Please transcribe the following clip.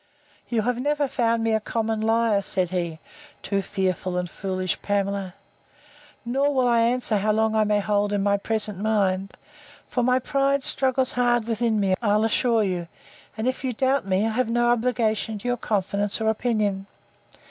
You have never found me a common liar, said he, (too fearful and foolish Pamela!) nor will I answer how long I may hold in my present mind; for my pride struggles hard within me, I'll assure you; and if you doubt me, I have no obligation to your confidence or opinion.